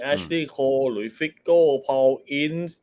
แอชลีโคลหรือฟิกโกลพอลอินส์